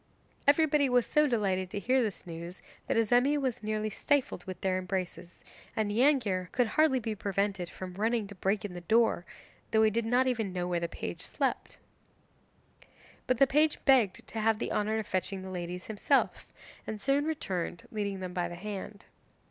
Everybody was so delighted to hear this news that Azemi was nearly stifled with their embraces, and Neangir could hardly be prevented from running to break in the door, though he did not even know where the page slept. But the page begged to have the honour of fetching the ladies himself, and soon returned leading them by the hand.